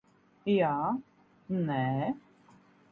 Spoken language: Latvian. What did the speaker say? Jā. Nē.